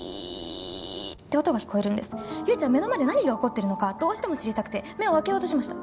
ゆいちゃん目の前で何が起こってるのかどうしても知りたくて目を開けようとしました。